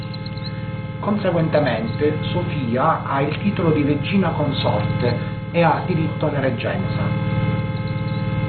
Conseguentemente, Sofia ha il titolo di "regina consorte" e ha diritto alla reggenza.